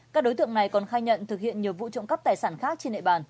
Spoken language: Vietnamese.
các đối tượng này còn khai nhận thực hiện nhiều vụ trộm cắp tài sản khác trên địa bàn